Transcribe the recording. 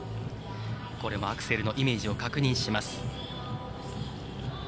これもアクセルのイメージを確認します。